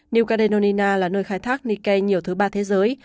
new caledonia là nơi khai thác nikkei nhiều thứ ba thế giới